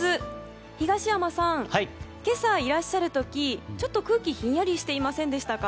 東山さん、今朝いらっしゃる時ちょっと空気ひんやりしていませんでしたか？